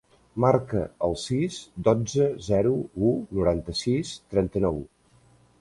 Marca el sis, dotze, zero, u, noranta-sis, trenta-nou.